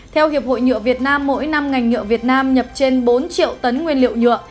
theo hiệp hội nhựa việt nam mỗi năm ngành nhựa việt nam nhập trên bốn triệu tấn nguyên liệu nhựa